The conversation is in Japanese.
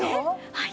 はい。